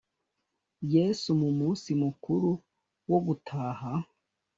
Yesu mu munsi mukuru wo gutaha